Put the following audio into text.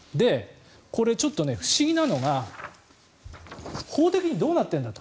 これ、ちょっと不思議なのが法的にどうなっているんだと。